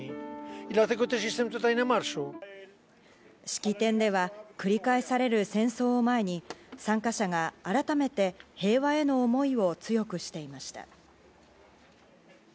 式典では繰り返される戦争を前に、参加者が改めて平和への思いを強くしていました。